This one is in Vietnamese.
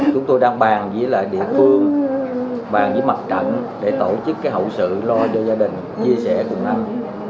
chúng tôi đang bàn với lại địa phương bàn với mặt trận để tổ chức cái hậu sự lo cho gia đình chia sẻ cùng anh